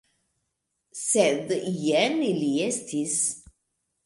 Sed jen ili estis!